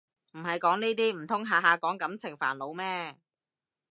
唔係講呢啲唔通下下講感情煩惱咩